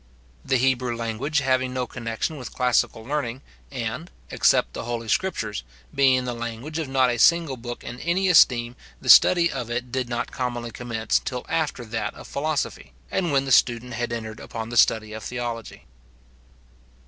The Hebrew language having no connection with classical learning, and, except the Holy Scriptures, being the language of not a single book in any esteem the study of it did not commonly commence till after that of philosophy, and when the student had entered upon the study of theology.